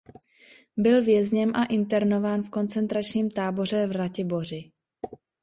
Byl vězněn a internován v koncentračním táboře v Ratiboři.